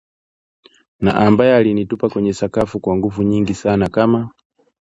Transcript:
na ambaye alinitupa kwenye sakafu kwa nguvu nyingi sana kama